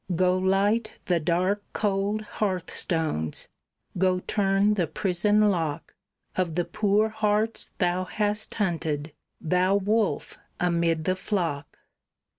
Go light the dark, cold hearth stones, go turn the prison lock Of the poor hearts thou hast hunted, thou wolf amid the flock!"